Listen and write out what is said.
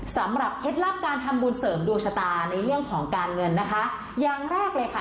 เคล็ดลับการทำบุญเสริมดวงชะตาในเรื่องของการเงินนะคะอย่างแรกเลยค่ะ